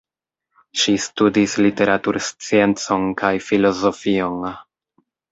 Ŝi studis literatursciencon kaj filozofion.